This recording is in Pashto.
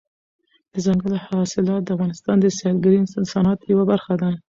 دځنګل حاصلات د افغانستان د سیلګرۍ د صنعت یوه برخه ده.